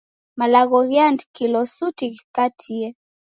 Malagho ghiandikilo suti ghikatie